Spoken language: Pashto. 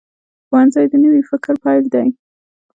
ښوونځی د نوي فکر پیل دی